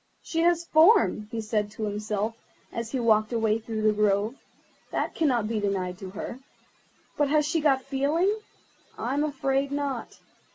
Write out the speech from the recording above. "She has form," he said to himself, as he walked away through the grove—"that cannot be denied to her; but has she got feeling? I am afraid not.